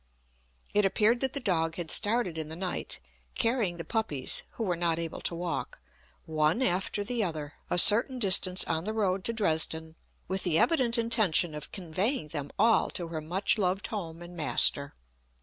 It appeared that the dog had started in the night, carrying the puppies (who were not able to walk) one after the other, a certain distance on the road to Dresden, with the evident intention of conveying them all to her much loved home and master.